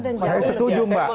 saya setuju mbak